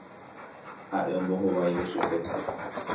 Ha'e ambohováivo chupe.